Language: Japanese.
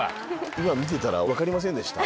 今見てたら分かりませんでした？